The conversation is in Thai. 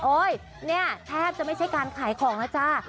เนี่ยแทบจะไม่ใช่การขายของแล้วจ้า